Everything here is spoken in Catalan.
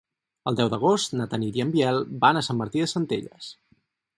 El deu d'agost na Tanit i en Biel van a Sant Martí de Centelles.